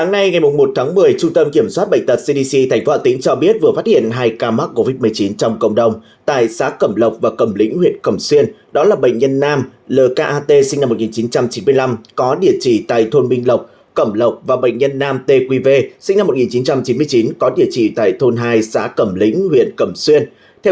hãy đăng ký kênh để ủng hộ kênh của chúng mình nhé